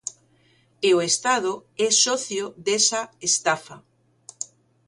E o Estado é socio desa estafa.